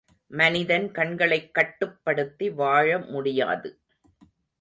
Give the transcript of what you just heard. மனிதன் கண்களைக் கட்டுப்படுத்தி வாழ முடியாது.